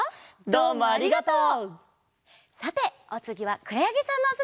どうもありがとう！